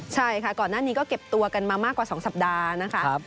ใช่ค่ะก่อนหน้านี้ก็เก็บตัวกันมามากกว่า๒สัปดาห์นะคะ